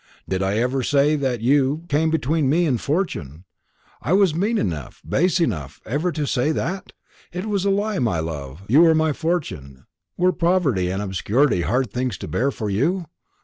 Did I ever say that you came between me and fortune was I mean enough, base enough, ever to say that? It was a lie, my love; you were my fortune. Were poverty and obscurity hard things to bear for you?